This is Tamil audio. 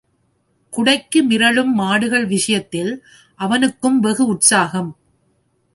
குடைக்கு மிரளும் மாடுகள் விஷயத்தில் அவனுக்கும் வெகு உற்சாகம்.